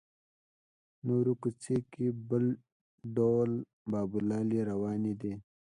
نورې کوڅې کې بل ډول بابولالې روانې دي.